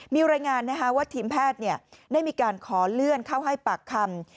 มีรายงานว่าทีมแพทย์ได้มีการขอเลื่อนเข้าให้ปากคำ